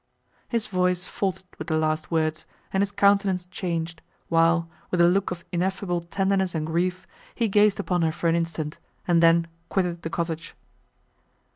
His voice faltered with the last words, and his countenance changed, while, with a look of ineffable tenderness and grief, he gazed upon her for an instant, and then quitted the cottage.